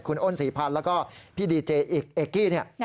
คุณอ้นศรีพันธ์แล้วก็พี่ดีเจอีกเอกกี้เนี่ย